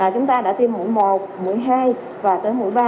chúng ta đã tiêm mũi một mũi hai và tới mũi ba